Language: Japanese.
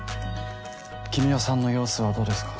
君雄さんの様子はどうですか？